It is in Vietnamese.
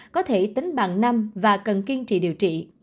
có thể tính bằng năm và cần kiên trì điều trị